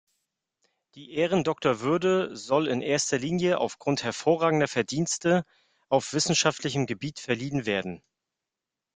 Die Ehrendoktorwürde soll in erster Linie aufgrund hervorragender Verdienste auf wissenschaftlichem Gebiet verliehen werden.